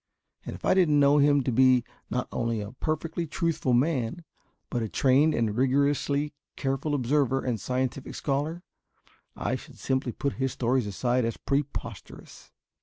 And if I didn't know him to be not only a perfectly truthful man but a trained and rigorously careful observer and scientific scholar, I should simply put his stories aside as preposterous.